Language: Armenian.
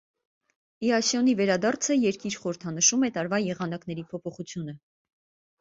Իասիոնի վերադարձը երկիր խորհրդանշում է տարվա եղանակների փոփոխությունը։